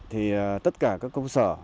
thì tất cả các công sở